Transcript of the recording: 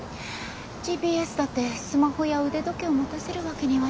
ＧＰＳだってスマホや腕時計を持たせるわけにはいかないし。